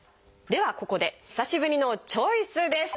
ではここで久しぶりの「チョイス」です！